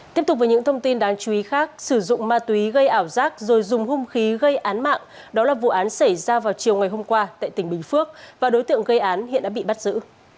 tiếp tục với những thông tin đáng chú ý khác sử dụng ma túy gây ảo giác rồi dùng hung khí gây án mạng đó là vụ án xảy ra vào chiều ngày hôm qua tại tỉnh bình phước và đối tượng gây án hiện đã bị bắt giữ